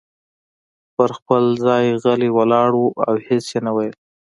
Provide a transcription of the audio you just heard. پر خپل ځای غلی ولاړ و او هیڅ یې نه ویل.